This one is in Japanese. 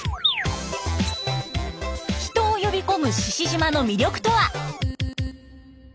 人を呼び込む志々島の魅力とは？